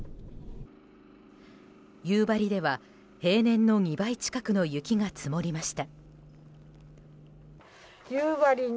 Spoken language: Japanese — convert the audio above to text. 夕張では平年の２倍近くの雪が積もりました。